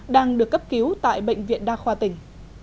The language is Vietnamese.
đang được cấp cứu tại bệnh viện đa khoa tỉnh